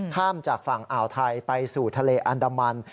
ข้ามจากฝั่งอ่าวไทยไปสู่ทะเลอันดามัน